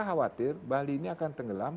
saya khawatir bali ini akan tenggelam